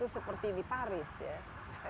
seperti di paris ya